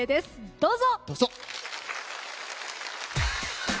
どうぞ。